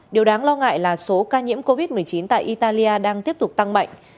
điều đáng lo ngại là số ca nhiễm covid một mươi chín tại italia đang tiếp tục tăng mạnh